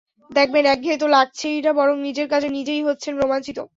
দেখবেন একঘেয়ে তো লাগছেই না, বরং নিজের কাজে নিজেই হচ্ছেন রোমাঞ্চিত।